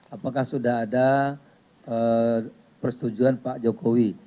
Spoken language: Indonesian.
apakah sudah ada persetujuan pak jokowi